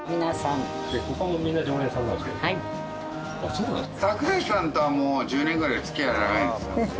そうなんですね。